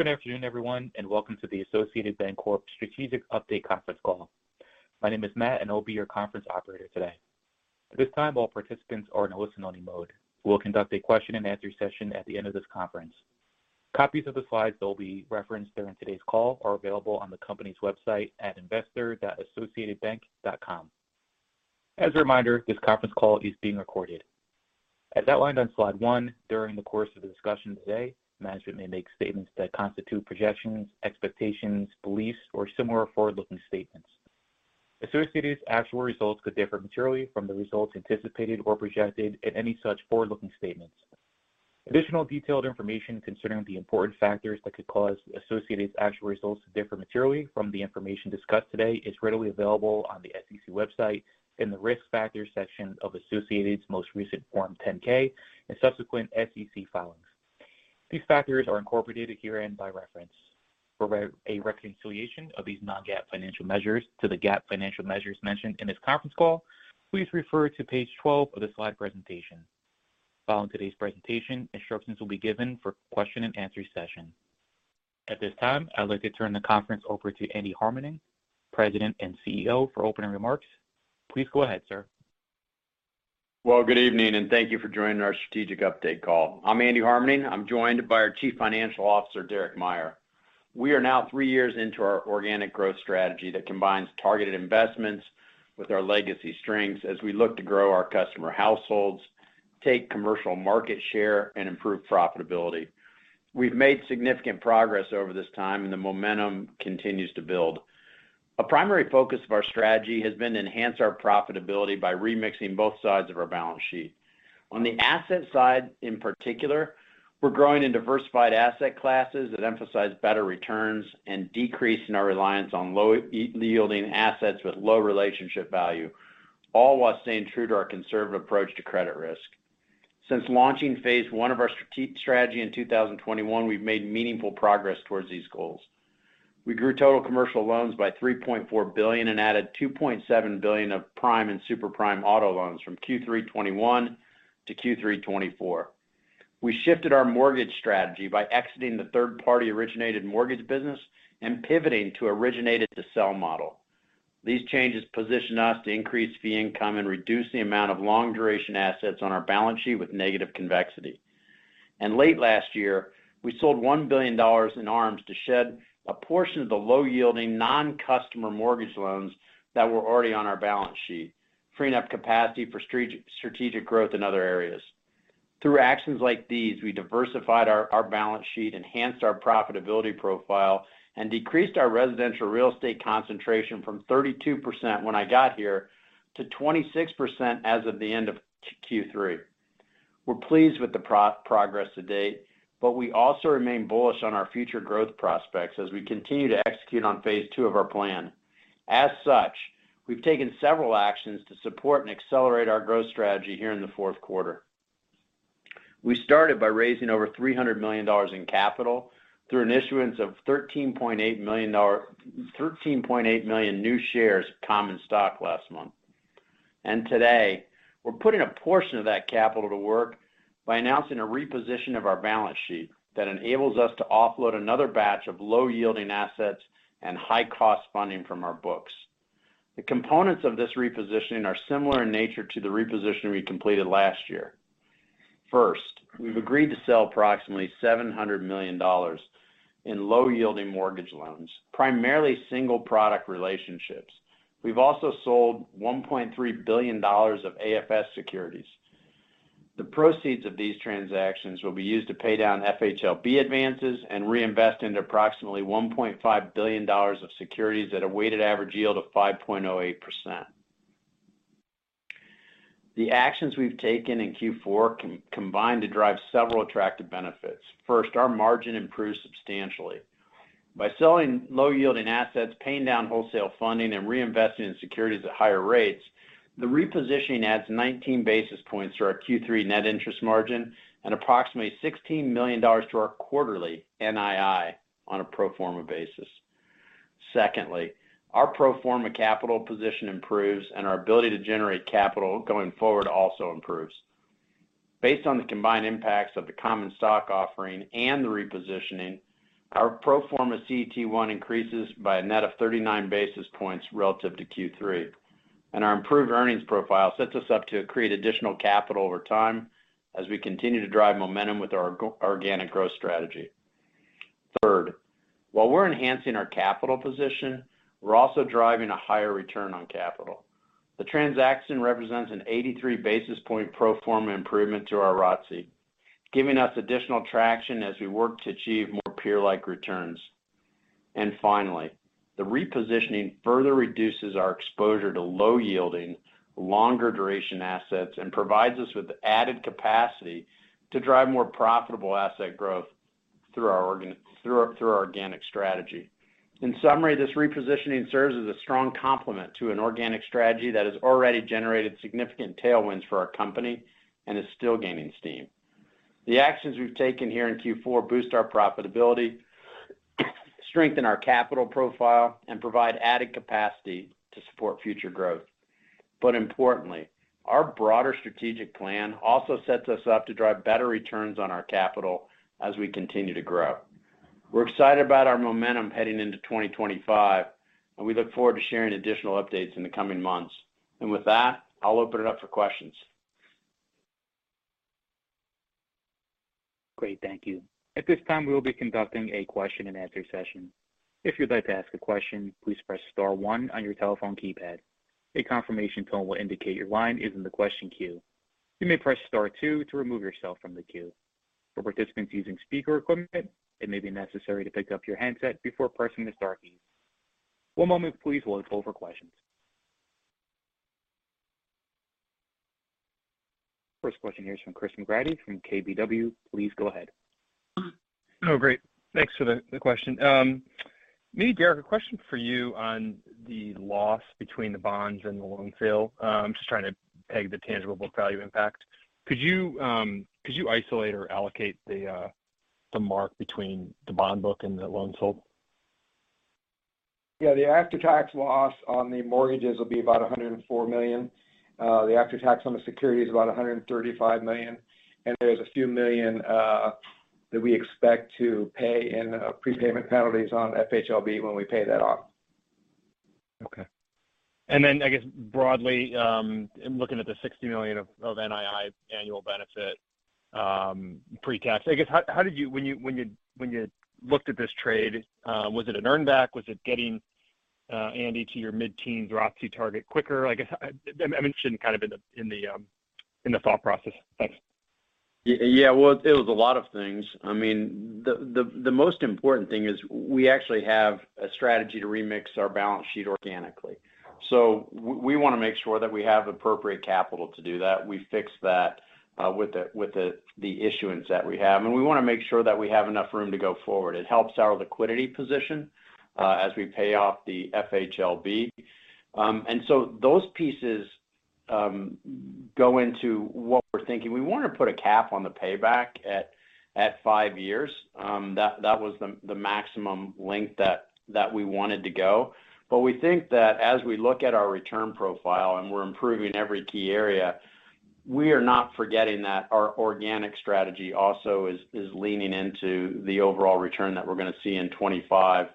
Good afternoon, everyone, and welcome to the Associated Banc-Corp Strategic Update Conference Call. My name is Matt, and I'll be your conference operator today. At this time, all participants are in a listen-only mode. We'll conduct a question-and-answer session at the end of this conference. Copies of the slides that will be referenced during today's call are available on the company's website at investor.associatedbank.com. As a reminder, this conference call is being recorded. As outlined on slide one, during the course of the discussion today, management may make statements that constitute projections, expectations, beliefs, or similar forward-looking statements. Associated's actual results could differ materially from the results anticipated or projected in any such forward-looking statements. Additional detailed information concerning the important factors that could cause Associated's actual results to differ materially from the information discussed today is readily available on the SEC website in the risk factors section of Associated's most recent Form 10-K and subsequent SEC filings. These factors are incorporated herein by reference. For a reconciliation of these non-GAAP financial measures to the GAAP financial measures mentioned in this conference call, please refer to page 12 of the slide presentation. Following today's presentation, instructions will be given for question-and-answer session. At this time, I'd like to turn the conference over to Andy Harmening, President and CEO, for opening remarks. Please go ahead, sir. Well, good evening, and thank you for joining our Strategic Update Call. I'm Andy Harmening. I'm joined by our Chief Financial Officer, Derek Meyer. We are now three years into our organic growth strategy that combines targeted investments with our legacy strengths as we look to grow our customer households, take commercial market share, and improve profitability. We've made significant progress over this time, and the momentum continues to build. A primary focus of our strategy has been to enhance our profitability by remixing both sides of our balance sheet. On the asset side, in particular, we're growing in diversified asset classes that emphasize better returns and decrease in our reliance on low-yielding assets with low relationship value, all while staying true to our conservative approach to credit risk. Since launching phase one of our strategy in 2021, we've made meaningful progress towards these goals. We grew total commercial loans by $3.4 billion and added $2.7 billion of prime and superprime auto loans from Q3 2021 to Q3 2024. We shifted our mortgage strategy by exiting the third-party-originated mortgage business and pivoting to an originated-to-sell model. These changes position us to increase fee income and reduce the amount of long-duration assets on our balance sheet with negative convexity, and late last year, we sold $1 billion in ARMs to shed a portion of the low-yielding non-customer mortgage loans that were already on our balance sheet, freeing up capacity for strategic growth in other areas. Through actions like these, we diversified our balance sheet, enhanced our profitability profile, and decreased our residential real estate concentration from 32% when I got here to 26% as of the end of Q3. We're pleased with the progress to date, but we also remain bullish on our future growth prospects as we continue to execute on phase two of our plan. As such, we've taken several actions to support and accelerate our growth strategy here in the Q4. We started by raising over $300 million in capital through an issuance of 13.8 million new shares of common stock last month. And today, we're putting a portion of that capital to work by announcing a reposition of our balance sheet that enables us to offload another batch of low-yielding assets and high-cost funding from our books. The components of this repositioning are similar in nature to the repositioning we completed last year. First, we've agreed to sell approximately $700 million in low-yielding mortgage loans, primarily single-product relationships. We've also sold $1.3 billion of AFS securities. The proceeds of these transactions will be used to pay down FHLB advances and reinvest into approximately $1.5 billion of securities at a weighted average yield of 5.08%. The actions we've taken in Q4 combine to drive several attractive benefits. First, our margin improves substantially. By selling low-yielding assets, paying down wholesale funding, and reinvesting in securities at higher rates, the repositioning adds 19 basis points to our Q3 net interest margin and approximately $16 million to our quarterly NII on a pro forma basis. Secondly, our pro forma capital position improves, and our ability to generate capital going forward also improves. Based on the combined impacts of the common stock offering and the repositioning, our pro forma CET1 increases by a net of 39 basis points relative to Q3. And our improved earnings profile sets us up to create additional capital over time as we continue to drive momentum with our organic growth strategy. Third, while we're enhancing our capital position, we're also driving a higher return on capital. The transaction represents an 83 basis point pro forma improvement to our ROTC, giving us additional traction as we work to achieve more peer-like returns. And finally, the repositioning further reduces our exposure to low-yielding, longer-duration assets and provides us with added capacity to drive more profitable asset growth through our organic strategy. In summary, this repositioning serves as a strong complement to an organic strategy that has already generated significant tailwinds for our company and is still gaining steam. The actions we've taken here in Q4 boost our profitability, strengthen our capital profile, and provide added capacity to support future growth. But importantly, our broader strategic plan also sets us up to drive better returns on our capital as we continue to grow. We're excited about our momentum heading into 2025, and we look forward to sharing additional updates in the coming months. And with that, I'll open it up for questions. Great. Thank you. At this time, we will be conducting a question-and-answer session. If you'd like to ask a question, please press Star one on your telephone keypad. A confirmation tone will indicate your line is in the question queue. You may press Star two to remove yourself from the queue. For participants using speaker equipment, it may be necessary to pick up your handset before pressing the Star keys. One moment, please, while we poll for questions. First question here is from Chris McGratty from KBW. Please go ahead. Oh, great. Thanks for the question. Maybe, Derek, a question for you on the loss between the bonds and the loan sale. I'm just trying to peg the tangible book value impact. Could you isolate or allocate the mark between the bond book and the loan sold? Yeah. The after-tax loss on the mortgages will be about $104 million. The after-tax on the securities is about $135 million. And there's a few million that we expect to pay in prepayment penalties on FHLB when we pay that off. Okay. And then, I guess, broadly, looking at the $60 million of NII annual benefit pre-tax, I guess, how did you, when you looked at this trade, was it an earn-back? Was it getting, Andy, to your mid-teens ROTC target quicker? I guess, I mentioned kind of in the thought process. Thanks. Yeah. Well, it was a lot of things. I mean, the most important thing is we actually have a strategy to remix our balance sheet organically. So we want to make sure that we have appropriate capital to do that. We fix that with the issuance that we have. And we want to make sure that we have enough room to go forward. It helps our liquidity position as we pay off the FHLB. And so those pieces go into what we're thinking. We want to put a cap on the payback at five years. That was the maximum length that we wanted to go. But we think that as we look at our return profile and we're improving every key area, we are not forgetting that our organic strategy also is leaning into the overall return that we're going to see in 2025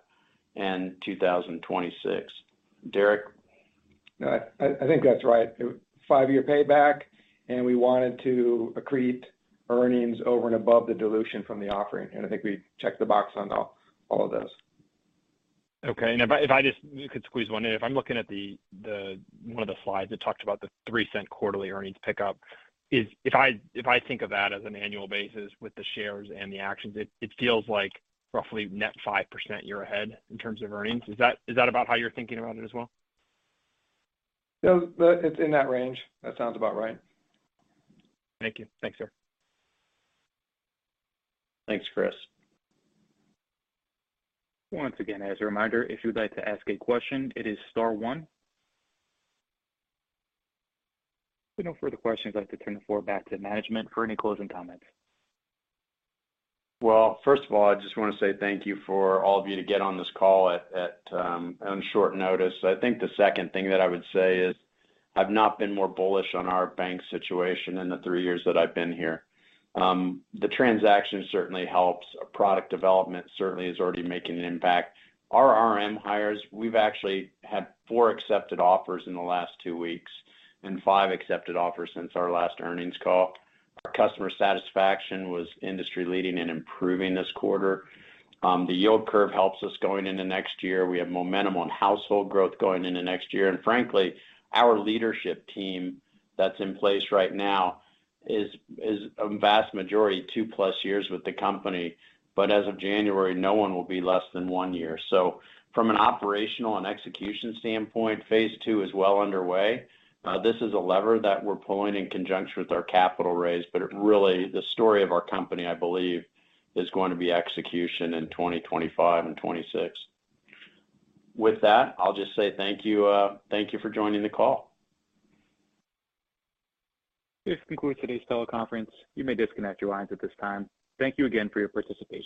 and 2026. Derek? No, I think that's right. Five-year payback, and we wanted to accrete earnings over and above the dilution from the offering, and I think we checked the box on all of those. Okay, and if I just could squeeze one in, if I'm looking at one of the slides that talked about the $0.03 quarterly earnings pickup, if I think of that as an annual basis with the shares and the actions, it feels like roughly net 5% year ahead in terms of earnings. Is that about how you're thinking about it as well? Yeah. It's in that range. That sounds about right. Thank you. Thanks, sir. Thanks, Chris. Once again, as a reminder, if you'd like to ask a question, it is Star one. If there are no further questions, I'd like to turn the floor back to management for any closing comments. First of all, I just want to say thank you for all of you to get on this call at short notice. I think the second thing that I would say is I've not been more bullish on our bank situation in the three years that I've been here. The transaction certainly helps. Product development certainly is already making an impact. Our RM hires, we've actually had four accepted offers in the last two weeks and five accepted offers since our last earnings call. Our customer satisfaction was industry-leading and improving this quarter. The yield curve helps us going into next year. We have momentum on household growth going into next year. And frankly, our leadership team that's in place right now is a vast majority two-plus years with the company. But as of January, no one will be less than one year. So from an operational and execution standpoint, phase two is well underway. This is a lever that we're pulling in conjunction with our capital raise. But really, the story of our company, I believe, is going to be execution in 2025 and 2026. With that, I'll just say thank you for joining the call. This concludes today's teleconference. You may disconnect your lines at this time. Thank you again for your participation.